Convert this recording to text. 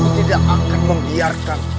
aku tidak akan membiarkan